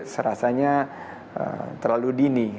serasanya terlalu dini